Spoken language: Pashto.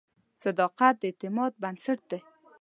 صداقت د اعتماد بنسټ دی.